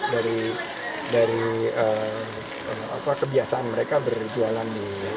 jadi dari kebiasaan mereka berjualan di trotoar